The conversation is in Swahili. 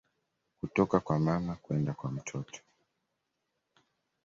Kutoka kwa mama kwenda kwa mtoto